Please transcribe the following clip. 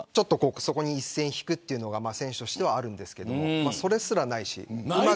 一線引くというのが選手としてはありますがそれすらないし。